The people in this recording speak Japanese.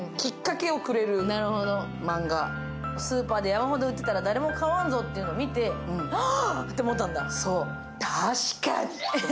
スーパーで山ほど打ってたら誰も買わんぞっていうのを見て、あって思ったんだ。